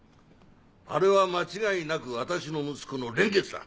あれは間違いなく私の息子の蓮月だ！